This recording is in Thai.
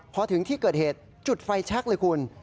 พอถึงที่เกิดเหตุจุดไฟแชคเลยคุณ